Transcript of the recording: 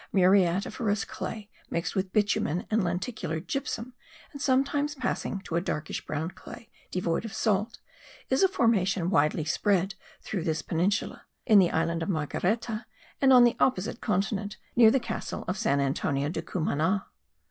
Muriatiferous clay mixed with bitumen and lenticular gypsum and sometimes passing to a darkish brown clay, devoid of salt, is a formation widely spread through this peninsula, in the island of Margareta and on the opposite continent, near the castle of San Antonio de Cumana.